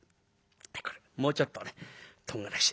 もうちょっとねとんがらし。